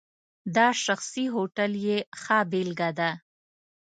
دا شخصي هوټل یې ښه بېلګه ده.